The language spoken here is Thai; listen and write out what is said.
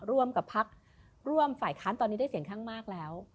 ร่วมกับพักร่วมฝ่ายค้านตอนนี้ได้เสียงข้างมากแล้ว